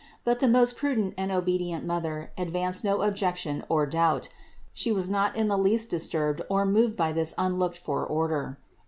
But the most prudent and obedient Mother advanced no objection or doubt : She was not in the least disturbed or moved by this unlocked for order.